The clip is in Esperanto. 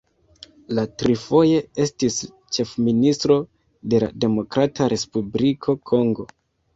Li trifoje estis ĉefministro de la Demokrata Respubliko Kongo.